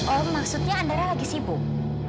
oh maksudnya andara lagi sibuk